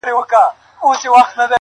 زه وایم داسي وو لکه بې جوابه وي سوالونه,